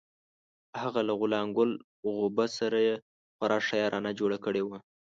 هغه له غلام ګل غوبه سره یې خورا ښه یارانه جوړه کړې وه.